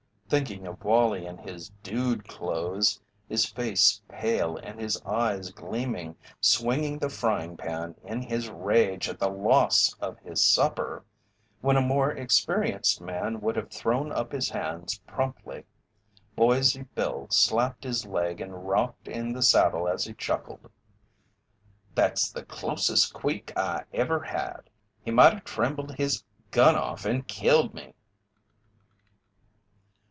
Thinking of Wallie in his "dude" clothes, his face pale and his eyes gleaming, swinging the frying pan in his rage at the loss of his supper, when a more experienced man would have thrown up his hands promptly, Boise Bill slapped his leg and rocked in the saddle as he chuckled: "That's the closest queak I ever had; he might a trembled his gun off and killed me!"